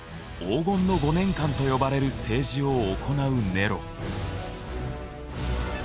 「黄金の５年間」と呼ばれる政治を行うネロ。